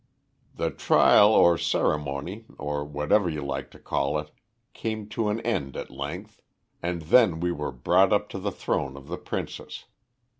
"The trial or ceremony, or whatever you like to call it, came to an end at length, and then we were brought up to the throne of the princess.